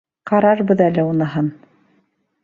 — Ҡарарбыҙ әле уныһын...